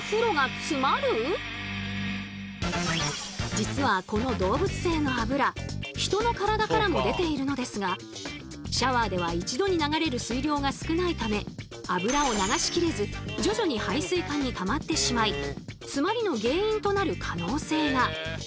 実はこの動物性のあぶらヒトの体からも出ているのですがシャワーでは一度に流れる水量が少ないためあぶらを流しきれず徐々に排水管にたまってしまい詰まりの原因となる可能性が！